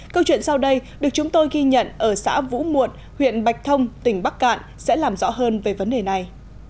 câu chuyện sau đây được chúng tôi ghi nhận ở xã vũ muộn huyện bạch thông tỉnh bắc cạn sẽ làm rõ hơn về vấn đề này